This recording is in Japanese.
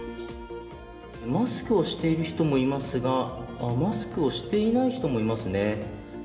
マスクをしている人もいますがマスクしをしていない人もいますね。